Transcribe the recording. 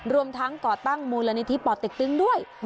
รวมทั้งก่อตั้งมูลนิธิป่อเต็กตึงด้วย